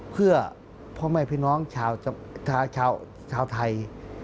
เพื่อพ่อแม่พี่น้องชาวไทย